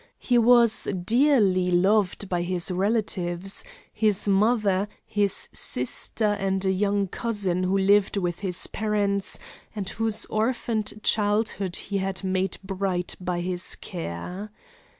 He was dearly loved by his relatives his mother, his sister, and a young cousin who lived with his parents, and whose orphaned childhood he had made bright by his care.